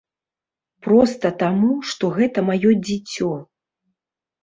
Проста таму, што гэта маё дзіцё.